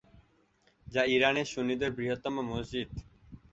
যা ইরানের সুন্নিদের বৃহত্তম মসজিদ।